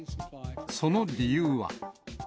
その理由は。